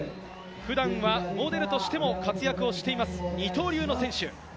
普段はモデルとしても活躍しています、二刀流の選手。